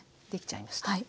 できちゃいました。